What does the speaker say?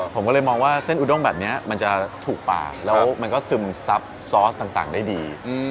ผมก็เลยมองว่าเส้นอุด้งแบบนี้มันจะถูกปากแล้วมันก็ซึมซับซอสต่างได้ดี